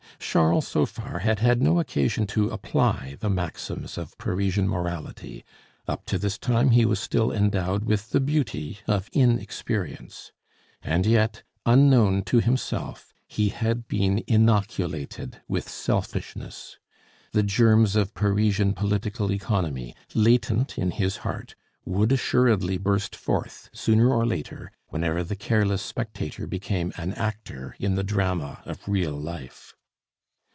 Charles, so far, had had no occasion to apply the maxims of Parisian morality; up to this time he was still endowed with the beauty of inexperience. And yet, unknown to himself, he had been inoculated with selfishness. The germs of Parisian political economy, latent in his heart, would assuredly burst forth, sooner or later, whenever the careless spectator became an actor in the drama of real life.